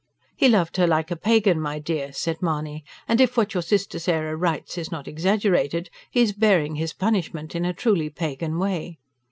"He loved her like a pagan, my dear," said Mahony. "And if what your sister Sarah writes is not exaggerated, he is bearing his punishment in a truly pagan way."